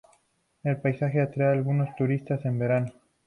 El paisaje atrae a algunos turistas en verano.